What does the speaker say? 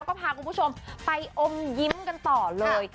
ก็พาคุณผู้ชมไปอมยิ้มกันต่อเลย